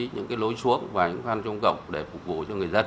những cái dự án nào mà